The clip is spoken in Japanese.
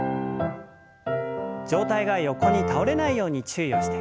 上体が横に倒れないように注意をして。